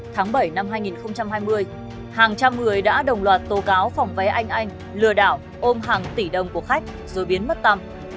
tháng bảy năm hai nghìn hai mươi hàng trăm người đã đồng loạt tố cáo phòng vé anh anh lừa đảo ôm hàng tỷ đồng của khách rồi biến mất tâm